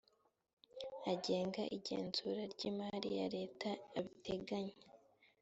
agenga igenzura ry imari ya leta abiteganya